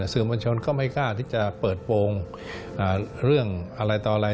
สื่อมวลชนก็ไม่กล้าที่จะเปิดโปรงเรื่องอะไรต่ออะไร